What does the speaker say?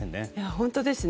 本当ですね。